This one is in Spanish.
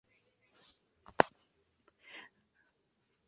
Durante su corta vida dejó una obra apasionada y muy dispersa.